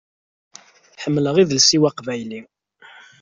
Ḥemmleɣ idles-iw aqbayli.